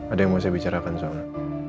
ada yang mau saya bicarakan soal